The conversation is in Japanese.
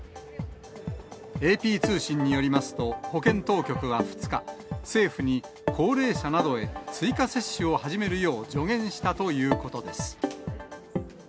ＡＰ通信によりますと、保健当局は２日、政府に、高齢者などへ追加接種を始めるよう助言したということです。